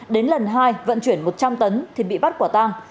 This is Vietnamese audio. đến lần hai vận chuyển một trăm linh tấn thì bị bắt quả tang